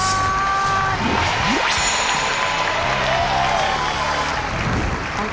ถ้าตอบถูก๔ข้อรับ๑๐๐๐๐๐๐บาท